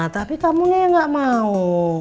tapi kamu nih nggak mau